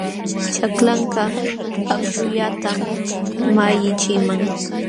Chaklanka akśhullatam malliqchiman.